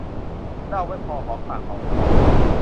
เล่าไว้พอหอมปากหอมคอ